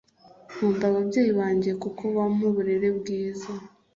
Nkunda ababyeyi banjye kuko bampa uburere bwiza